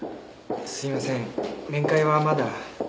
すいません面会はまだ。